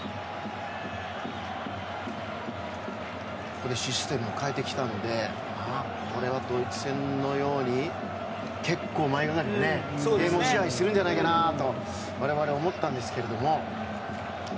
ここでシステムを変えてきたのでこれはドイツ戦のように結構、前がかりでゲームを支配するんじゃないかと我々思ったんですけど。